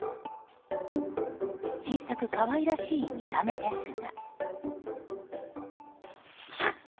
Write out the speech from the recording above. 小さく可愛らしい見た目ですが。